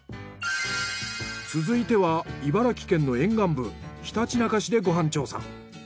続いては茨城県の沿岸部ひたちなか市でご飯調査。